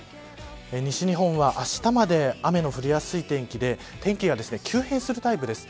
西日本は、あしたまで雨の降りやすい天気で天気が急変するタイプです。